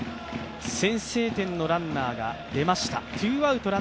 先制点のランナーが出ました。